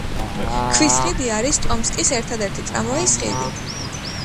ქვის ხიდი არის ტომსკის ერთადერთი ტრამვაის ხიდი.